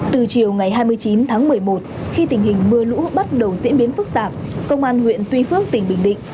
từ chiều ngày hai mươi chín tháng một mươi một khi tình hình mưa lũ bắt đầu diễn biến phức tạp công an huyện tuy phước tỉnh bình định